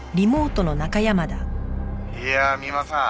「いやあ三馬さん